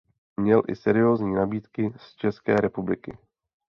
Měl i seriózní nabídky z České republiky.